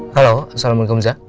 halo assalamualaikum zia